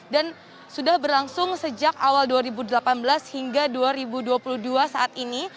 dan sudah berlangsung sejak awal dua ribu delapan belas hingga dua ribu dua puluh dua saat ini